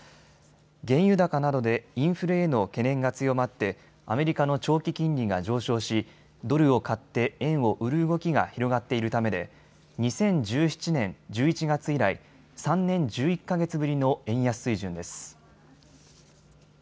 原油高などでインフレへの懸念が強まってアメリカの長期金利が上昇し、ドルを買って円を売る動きが広がっているためで２０１７年１１月以来３年１１か月ぶりの円安水準です。